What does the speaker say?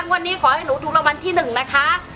วันนี้ขอให้หนูถูกรางวัลที่๑นะคะ